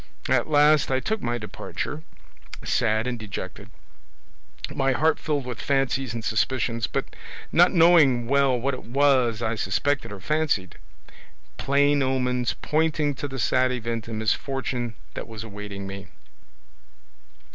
At last I took my departure, sad and dejected, my heart filled with fancies and suspicions, but not knowing well what it was I suspected or fancied; plain omens pointing to the sad event and misfortune that was awaiting me.